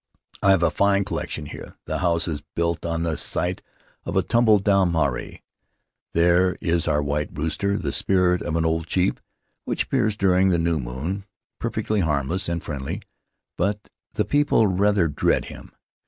I have a fine collection here; the house is built on the site of a tumble down marae. There is our white rooster, the spirit of an old chief, which appears during the new moon — per fectly harmless and friendly, but the people rather dread him.